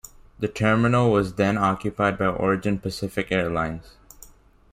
The terminal was then occupied by Origin Pacific airlines.